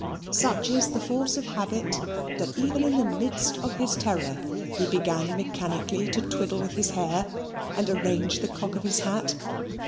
Such is the force of habit, that even in the midst of his terror he began mechanically to twiddle with his hair, and arrange the cock of his hat.